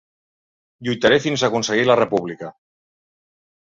Lluitaré fins aconseguir la república.